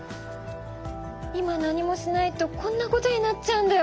今何もしないとこんなことになっちゃうんだよ。